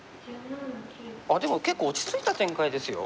あっでも結構落ち着いた展開ですよ。